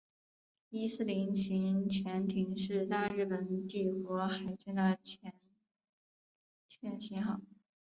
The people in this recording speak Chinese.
伊四零型潜艇是大日本帝国海军的潜舰型号。